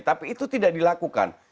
tapi itu tidak dilakukan